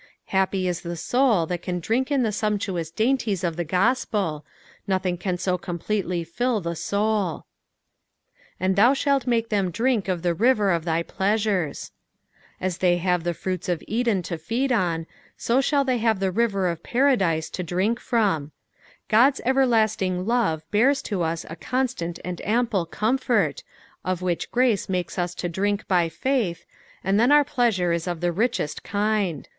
Happy is the soul that can drink in ths sumptuous dainties of the gospel — nothing can so completely fill the soul. "And (Aou ihidt make them drink of (he riter "f thy plaaeuret. " As they have the fruits of Eden to feed on. so shall they have the river of Peradifie to drink from. God's everlasting love bears to us a constant and ample comfort, of vhich grace makes us to drink by faith, and then our pleasure is of the richest kind.